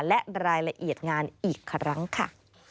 และรายละเอียดงานอีกครั้งค่ะ